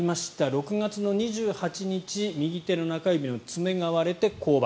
６月２８日右手の中指の爪が割れて降板。